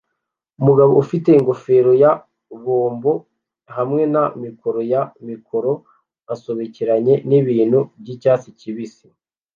Umugabo ufite ingofero ya bombo hamwe na mikoro ya mikoro asobekeranye nibintu byicyatsi kibisi